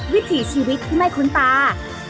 วิถีชีวิตที่ไม่คุ้นตา